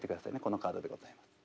このカードでございます。